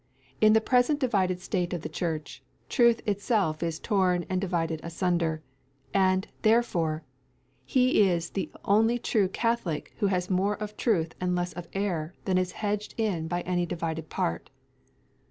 In the present divided state of the Church, truth itself is torn and divided asunder; and, therefore, he is the only true Catholic who has more of truth and less of error than is hedged in by any divided part.